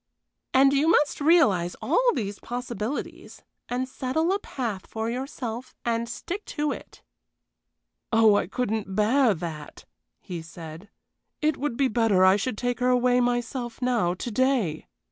"And you must realize all these possibilities, and settle a path for yourself and stick to it." "Oh, I couldn't bear that!" he said. "It would be better I should take her away myself now, to day."